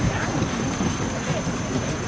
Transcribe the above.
สวัสดีครับ